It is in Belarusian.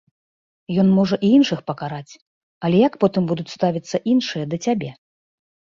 Ён можа і іншых пакараць, але як потым будуць ставіцца іншыя да цябе?